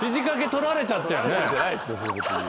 取られてるんじゃないですよそれ別に。